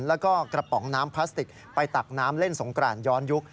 แล้วก็กระป๋องน้ำพลาสติกไปตักน้ำเล่นสงกรานย้อนยุค